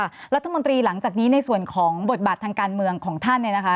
รัฐมนตรีหลังจากนี้ในส่วนของบทบาททางการเมืองของท่านเนี่ยนะคะ